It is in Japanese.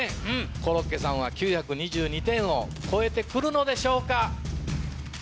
コロッケさんは９２２点を超えて来るのでしょうか。